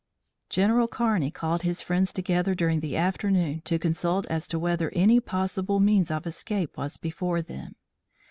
General Kearney called his friends together during the afternoon to consult as to whether any possible means of escape was before them.